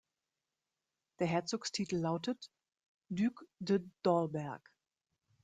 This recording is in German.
Der Herzogstitel lautete: "Duc de Dalberg".